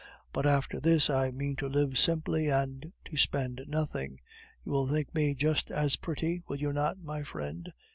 But after this I mean to live simply and to spend nothing. You will think me just as pretty, will you not, my friend?